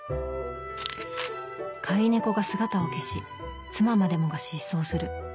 飼い猫が姿を消し妻までもが失踪する。